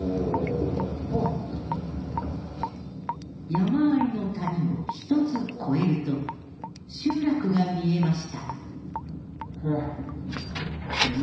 山あいの谷を一つ越えると集落が見えました。